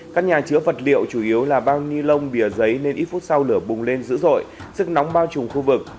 các nhà chữa vật liệu chủ yếu là bao ni lông bìa giấy nên ít phút sau lửa bùng lên dữ dội sức nóng bao trùm khu vực